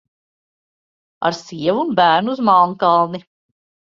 Ar sievu un bērnu uz Melnkalni!